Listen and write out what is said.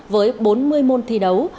với bốn mươi môn thi đấu